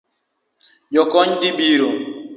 Jokony dhi biro